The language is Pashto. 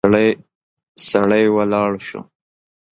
سړی ولاړ شو.